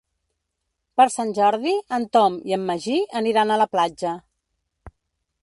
Per Sant Jordi en Tom i en Magí aniran a la platja.